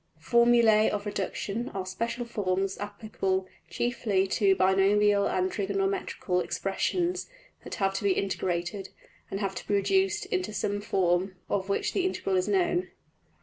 \emph{Formulæ of Reduction} are special forms applicable chiefly to binomial and trigonometrical expressions that have to be integrated, and have to be reduced into some form of which the integral is known.